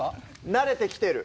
慣れてきてる。